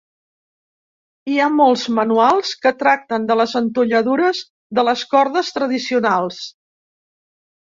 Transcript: Hi ha molts manuals que tracten de les entolladures de les cordes tradicionals.